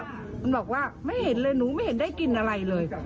มันบอกว่าไม่เห็นเลยหนูไม่เห็นได้กินอะไรเลย